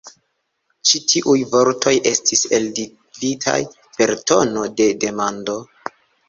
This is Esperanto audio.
Ĉi tiuj vortoj estis eldiritaj per tono de demando.